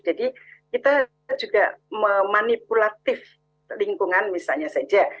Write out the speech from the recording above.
jadi kita juga memanipulatif lingkungan misalnya saja